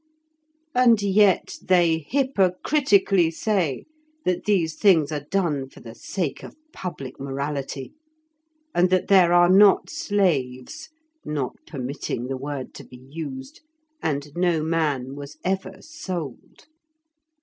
And yet they hypocritically say that these things are done for the sake of public morality, and that there are not slaves (not permitting the word to be used), and no man was ever sold.